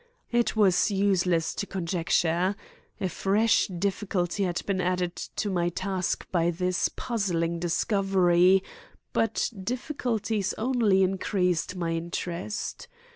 It was useless to conjecture. A fresh difficulty had been added to my task by this puzzling discovery, but difficulties only increased my interest.